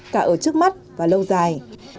cả ở trước mắt và lâu dài